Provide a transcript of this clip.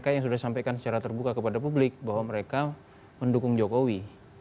saya ingin memberikan secara terbuka kepada publik bahwa mereka mendukung jokowi